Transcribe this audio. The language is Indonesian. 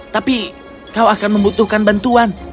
tapi kau akan membutuhkan bantuan